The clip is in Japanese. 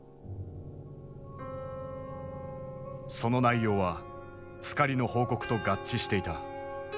その内容はスカリの報告と合致していた。